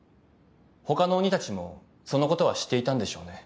他の鬼たちもそのことは知っていたんでしょうね。